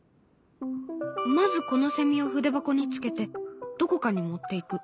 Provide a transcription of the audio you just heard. まずこのセミを筆箱につけてどこかに持っていく。